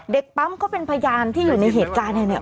เด็กปั๊มก็เป็นพยานที่อยู่ในเหตุการณ์เนี่ย